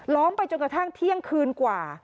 ้อมไปจนกระทั่งเที่ยงคืนกว่า